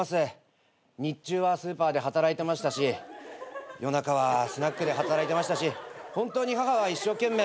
日中はスーパーで働いてましたし夜中はスナックで働いてましたし本当に母は一生懸命。